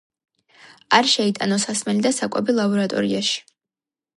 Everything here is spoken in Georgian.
არ შეიტანო სასმელი და საკვები ლაბორატორიაში.